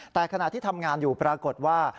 แต่ขณะที่ทำงานอยู่ปรากฏว่า